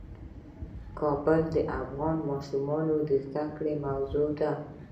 کابل د افغان ماشومانو د زده کړې موضوع ده.